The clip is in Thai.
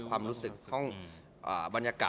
ความรู้สึก